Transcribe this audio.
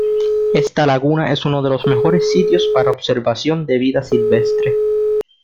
Esta laguna es uno de los mejores sitios para observación de vida silvestre.